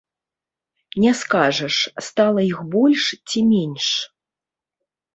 Не скажаш, стала іх больш ці менш.